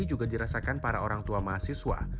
juga dirasakan para orangtua mahasiswa